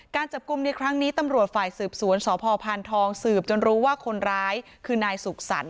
การจับกลุ่มในครั้งนี้ตำรวจฝ่ายสืบสวนสพพานทองสืบจนรู้ว่าคนร้ายคือนายสุขสรรค